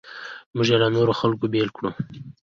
موږ یې له نورو خلکو بېل کړو.